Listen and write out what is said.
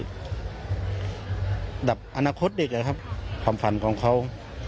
คุณยายบอกว่ารู้สึกเหมือนใครมายืนอยู่ข้างหลัง